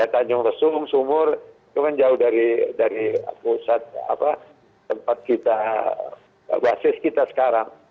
tanjung resung sumur itu kan jauh dari pusat tempat kita basis kita sekarang